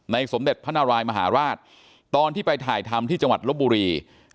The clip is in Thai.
สมเด็จพระนารายมหาราชตอนที่ไปถ่ายทำที่จังหวัดลบบุรี